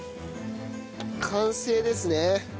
完成ですね。